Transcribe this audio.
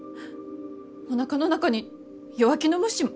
おなかの中に弱気の虫も。